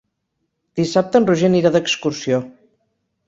Dissabte en Roger anirà d'excursió.